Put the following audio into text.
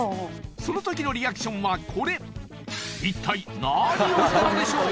その時のリアクションはこれ一体何をしたのでしょう？